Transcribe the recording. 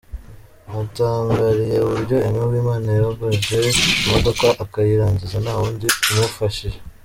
Batangariye uburyo Aime Uwimana yogeje imodoka akayirangiza nta wundi umufashije.